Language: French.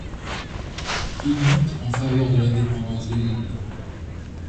Il lutte en faveur de l'indépendance de l'île.